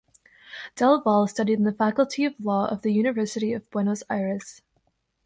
Del Valle studied in the Faculty of Law of the University of Buenos Aires.